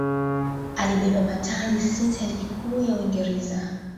alibeba mataji sita ya ligi kuu ya Uingereza